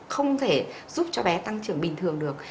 không thể giúp cho bé tăng trưởng bình thường được